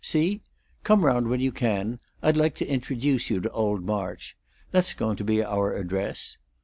See? Come round when you can; I'd like to introduce you to old March. That's going to be our address."